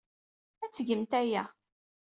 Ad tgemt aya.